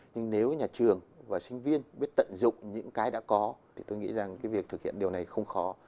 nhưng nếu nhà trường và sinh viên biết tận dụng những cái đã có thì tôi nghĩ rằng cái việc thực hiện điều này không khó